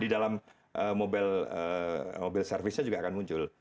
di dalam mobil servisnya juga akan muncul